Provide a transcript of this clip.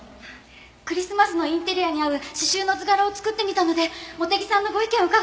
クリスマスのインテリアに合う刺繍の図柄を作ってみたので茂手木さんのご意見を伺いたくて。